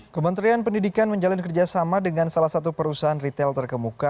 kementerian pendidikan menjalin kerjasama dengan salah satu perusahaan retail terkemuka